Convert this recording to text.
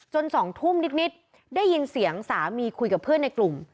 ๒ทุ่มนิดได้ยินเสียงสามีคุยกับเพื่อนในกลุ่ม